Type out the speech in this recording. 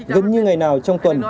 gần như ngày nào trong tuần